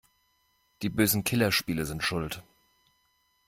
Die bösen Killerspiele sind schuld!